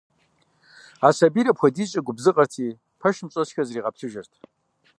А сэбийр апхуэдизкӏэ губзыгъэти, пэшым щӏэсхэр зэригъэплъыжырт.